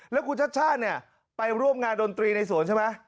แล้วก็คุณชัดไปร่วมงานดนตรีในสวนใช่ไหม